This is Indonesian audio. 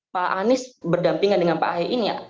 pak anies berdampingan dengan pak ahy ini